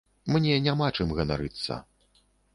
Мне няма чым ганарыцца.